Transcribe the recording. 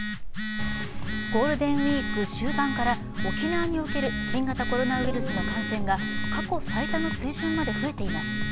ゴールデンウイーク終盤から沖縄における新型コロナウイルスの感染が過去最多の水準まで増えています。